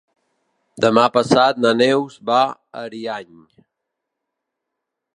Demà passat na Neus va a Ariany.